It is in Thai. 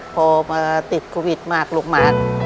พอมาติดโควิดมากลูกมา